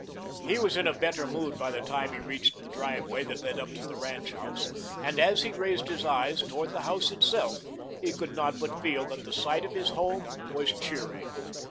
He was in a better mood by the time he reached the driveway that led up to the ranch house, and as he raised his eyes toward the house itself, he could not but feel that the sight of his home was cheering.